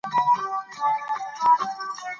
دا د ویاړ یوه کیسه ده.